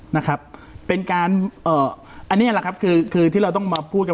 นะครับเป็นการเอ่ออันนี้แหละครับคือคือที่เราต้องมาพูดกัน